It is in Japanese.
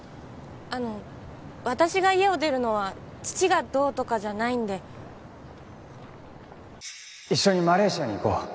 あの私が家を出るのは父がどうとかじゃないんで一緒にマレーシアに行こう